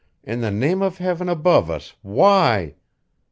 "In the name of Heaven above us, why?"